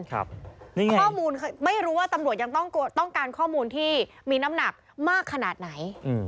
ข้อมูลไม่รู้ว่าตำรวจยังต้องการข้อมูลที่มีน้ำหนักมากขนาดไหน